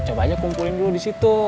coba aja kumpulin dulu disitu